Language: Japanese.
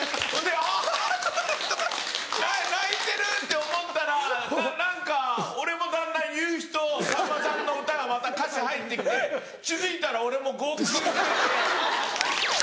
・「あぁな泣いてる！」って思ったら何か俺もだんだん夕日とさんまさんの歌がまた歌詞入って来て気付いたら俺も号泣してて。